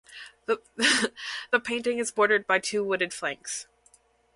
The painting is bordered by two wooded flanks.